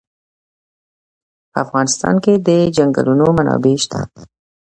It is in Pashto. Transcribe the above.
په افغانستان کې د چنګلونه منابع شته.